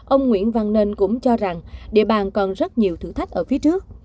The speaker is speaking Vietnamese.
ông nguyễn văn nên cũng cho rằng địa bàn còn rất nhiều thử thách ở phía trước